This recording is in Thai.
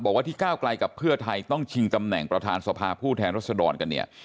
ว่าที่ก้าวไกลกับเพื่อไทยต้องชิงตำแหน่งประธานสภาผู้แทนรัศดรกันเนี่ย